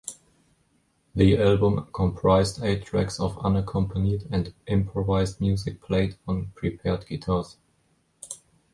The album comprised eight tracks of unaccompanied and improvised music played on prepared guitars.